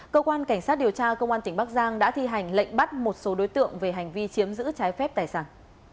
cơ quan cảnh sát điều tra công an tỉnh bắc giang đã thi hành lệnh bắt một số đối tượng về hành vi chiếm giữ trái phép tài sản